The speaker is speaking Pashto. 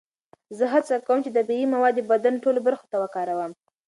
زه هڅه کوم چې طبیعي مواد د بدن ټولو برخو ته وکاروم.